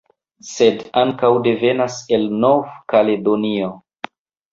Sed ankaŭ devenas el Nov-Kaledonio